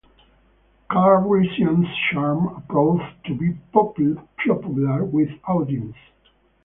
Calrissian's charm proved to be popular with audiences.